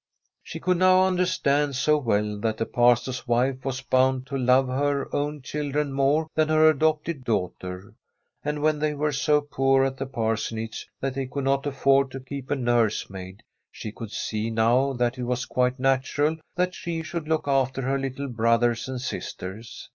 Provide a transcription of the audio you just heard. She could now understand so well that the Pastor's wife was bound to love her own chil dren more than her adopted daughter. And when they were so poor at the Parsonage that they could not afford to keep a nursemaid, she could see now that it was quite natural that she should look after her little brothers and sisters.